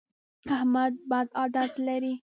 احمد بد عادت لري.